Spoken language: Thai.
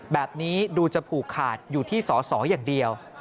แบบนี้ดูจะผูกขาดอยู่ที่สอสออย่างเดียว